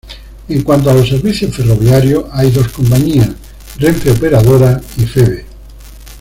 En cuanto a los servicios ferroviarios, hay dos compañías: Renfe Operadora y Feve.